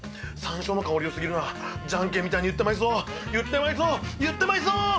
さんしょうの香りよすぎるな、じゃんけんみたいに言ってまいそう、言ってまいそう、言ってまいそう。